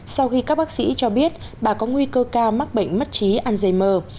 sau khi các bác sĩ cho biết bà có nguy cơ ca mắc bệnh mất trí alzheimer